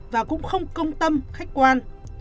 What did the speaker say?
và cũng không công tâm khách quan